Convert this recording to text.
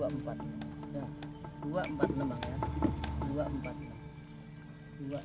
ya lo sepuluh sepuluh